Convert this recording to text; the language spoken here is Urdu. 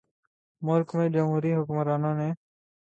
ملک میں جمہوری حکمرانوں نے